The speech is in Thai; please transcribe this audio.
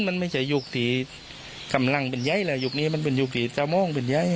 มันไม่ใช่ยุคที่กำลังเป็นใยแล้วยุคนี้มันเป็นยุคที่ตามองเป็นใย